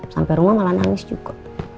sampai rumah malah nangis juga